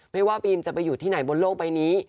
ไม่ว่าบีมจะไปอยู่ที่ไหนบนโลกใบนี้